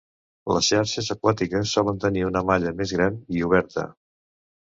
Les xarxes aquàtiques solen tenir una malla més gran i "oberta".